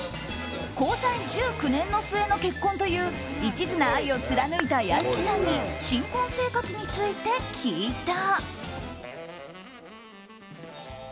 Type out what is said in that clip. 交際１９年の末の結婚という一途な愛を貫いた屋敷さんに新婚生活について聞いた。